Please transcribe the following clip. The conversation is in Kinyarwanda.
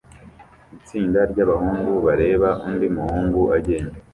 Itsinda ryabahungu bareba undi muhungu agenda